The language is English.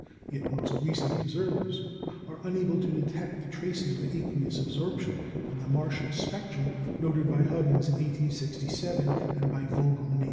Yet most recent observers are unable to detect the traces of aqueous absorption in the Martian spectrum noted by Huggins in 1867 and by Vogel in 1873.